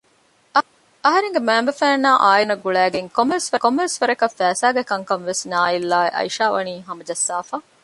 އަހަރެންގެ މައިންބަފައިންނާއި އާއިލާގެ މީހުންނަށް ގުޅައިގެން ކޮންމެވެސް ވަރަކަށް ފައިސާގެ ކަންކަންވެސް ނާއިލްއާއި އައިޝާވަނީ ހަމަޖައްސާފަ